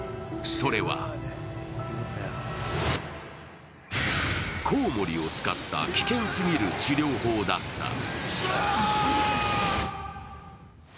それは、こうもりを使った危険すぎる治療法だった。